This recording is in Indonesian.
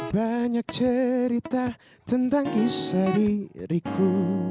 banyak cerita tentang kisah diriku